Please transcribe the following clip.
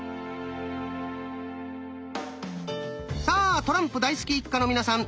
さあトランプ大好き一家の皆さん